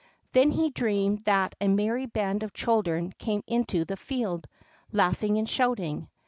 Then he dreamed that a merry band of children came into the field, laughing and shouting.